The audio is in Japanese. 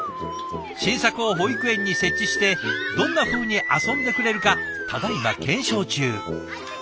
新作を保育園に設置してどんなふうに遊んでくれるかただいま検証中。